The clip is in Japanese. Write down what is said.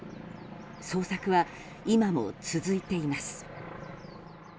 捜索は今も続いています。